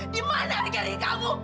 di mana harga diri kamu